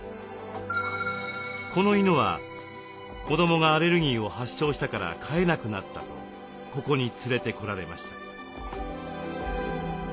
この犬は子どもがアレルギーを発症したから飼えなくなったとここに連れてこられました。